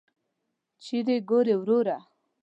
چیري ګورې وروره !